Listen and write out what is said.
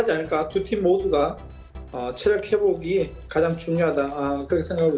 jadi mungkin kita berdua harus berusaha lebih banyak